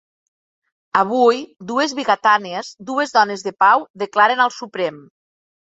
Avui, dues vigatanes, dues dones de pau, declaren al Suprem.